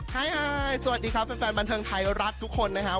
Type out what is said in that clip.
ให้อายสวัสดีครับแฟนบันเทิงไทยรัฐทุกคนนะครับ